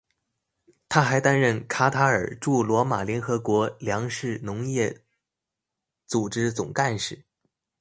他还担任卡塔尔驻罗马联合国粮食农业组织总干事。